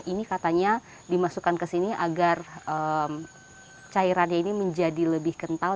ini katanya dimasukkan ke sini agar cairannya ini menjadi lebih kental